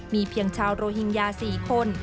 มีเพียงชาวโรฮิงญา๔คน